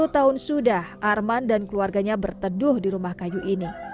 sepuluh tahun sudah arman dan keluarganya berteduh di rumah kayu ini